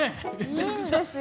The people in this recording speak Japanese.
いいんですよ。